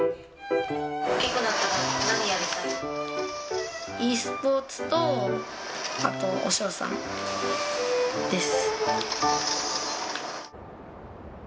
大きくなったら、何になりたｅスポーツと、あと和尚さんです。